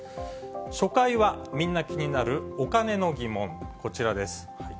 初回は、みんな気になるお金の疑問、こちらです。